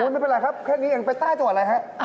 ไม่เป็นไรครับแค่นี้ยังไปใต้จุดอะไรครับ